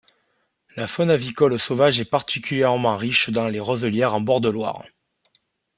La faune avicole sauvage est particulièrement riche dans les roselières en bord de Loire.